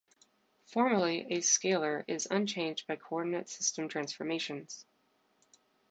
Formally, a scalar is unchanged by coordinate system transformations.